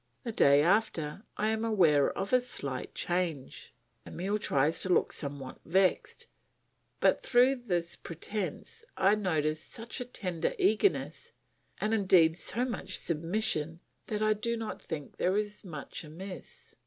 The day after I am aware of a slight change. Emile tries to look somewhat vexed; but through this pretence I notice such a tender eagerness, and indeed so much submission, that I do not think there is much amiss.